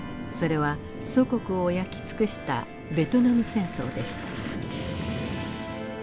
それは祖国を焼き尽くしたベトナム戦争でした。